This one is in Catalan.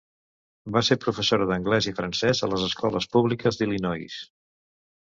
Va ser professora d'anglès i francès a les escoles públiques d'Illinois.